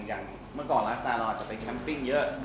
ถ้ามาก่อนมาเราก็จะไปแคมป้ิ้งเยอะ